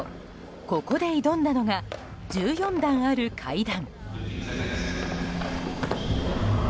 ここで、挑んだのが１４段ある階段。